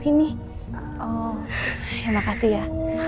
sini oh ya makasih ya